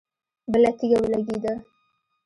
بله تيږه ولګېده.